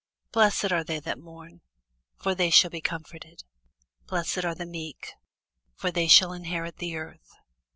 Blessed are they that mourn: for they shall be comforted. Blessed are the meek: for they shall inherit the earth.